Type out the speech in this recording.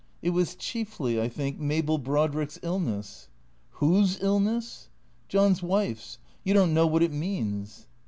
" It was chiefly, I think, Mabel Brodrick's illness." "Whose illness?" " John's wife's. You don't know what it means."